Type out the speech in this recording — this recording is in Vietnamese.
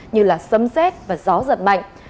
như là sấm xét và gió giật mạnh